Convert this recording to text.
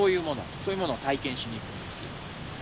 そういうものを体験しに行くんですよ。